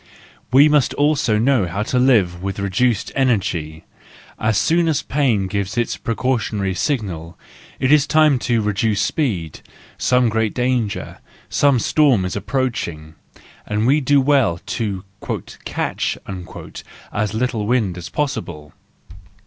We must also know how to live with reduced energy: as soon as pain gives its precautionary signal, it is time to reduce the speed—some great danger, some storm, is approaching, and we do well to "catch" as little wind as possible.